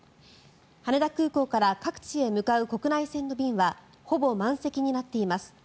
羽田空港から各地へ向かう国内線の便はほぼ満席になっています。